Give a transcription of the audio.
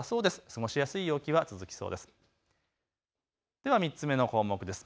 では２つ目の項目です。